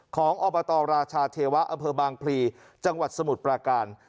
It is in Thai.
อบตราชาเทวะอำเภอบางพลีจังหวัดสมุทรปราการ